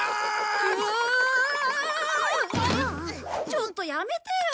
ちょっとやめてよ！